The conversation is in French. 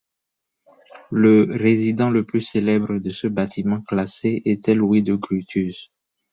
Le résident le plus célèbre de ce bâtiment classé était Louis de Gruuthuse.